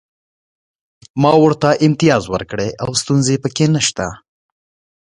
ما ورته امتیاز ورکړی او ستونزه پکې نشته